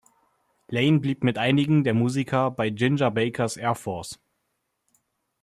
Laine blieb mit einigen der Musiker bei Ginger Baker’s Air Force.